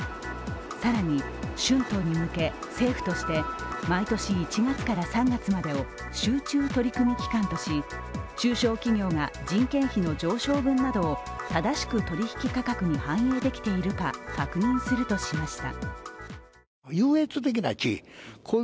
更に、春闘に向け、政府として毎年１月から３月までを集中取り組み期間とし、中小企業が人件費の上昇分などを正しく取引価格に反映できているか確認するとしました。